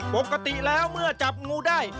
ปกติแล้วเมื่อจับงูได้